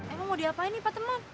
emang mau diapain nih patemon